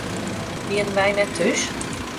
Wienen wy net thús?